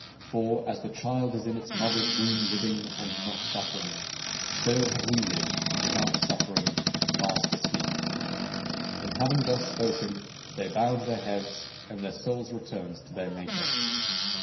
For as the child is in its mother's womb living and not suffering, so have we lived without suffering, fast asleep.' And having thus spoken, they bowed their heads, and their souls returned to their Maker.